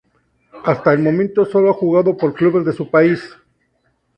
Hasta el momento solo ha jugado por clubes de su país.